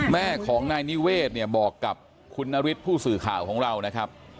แม่ของนายนิเวศเนี่ยบอกกับคุณนฤทธิ์ผู้สื่อข่าวของเรานะครับ